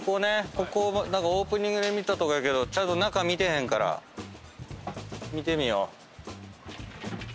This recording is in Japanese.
ここオープニングで見たとこやけどちゃんと中見てへんから見てみよう。